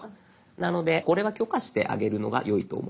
なのでこれは許可してあげるのがよいと思います。